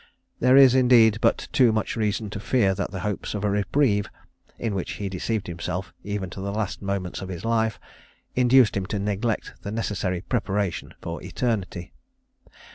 There is, indeed, but too much reason to fear that the hopes of a reprieve (in which he deceived himself even to the last moments of his life) induced him to neglect the necessary preparation for eternity.